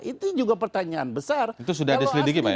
itu sudah diselidiki pak ya